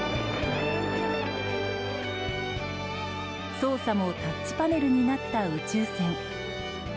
操作もタッチパネルになった宇宙船。